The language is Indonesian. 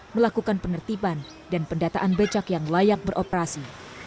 melakukan penertiban dan pendataan becak yang layak beroperasi